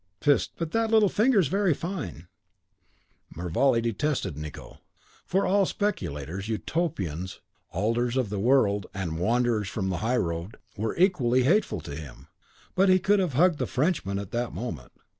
Peste! but that little finger is very fine!" Mervale detested Nicot. For all speculators, Utopians, alterers of the world, and wanderers from the high road, were equally hateful to him; but he could have hugged the Frenchman at that moment.